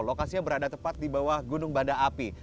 lokasinya berada tepat di bawah gunung banda api